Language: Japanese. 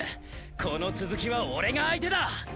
この続きは俺が相手だ！